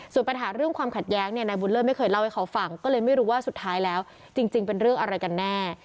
ส่วนปัญหาเรื่องความขัดแย้งเนี่ยนายบุญเลิศไม่เคยเล่าให้เขาฟังก็เลยไม่รู้ว่าสุดท้ายแล้วจริงเป็นเรื่องอะไรกันแน่